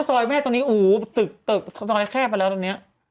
อ๋อซอยแม่ตรงนี้อู๋ตึกตึกซอยแค่ไปแล้วตรงเนี้ย